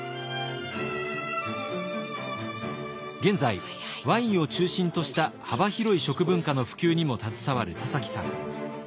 現在ワインを中心とした幅広い食文化の普及にも携わる田崎さん。